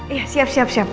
iya siap siap siap